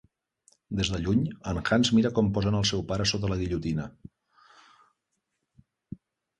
Des de lluny, en Hans mira com posen el seu pare sota la guillotina.